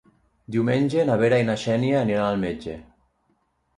Diumenge na Vera i na Xènia aniran al metge.